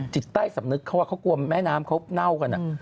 จิตใต้สำนึกเขาเขากลัวแม่น้ำเขาเน่ากัน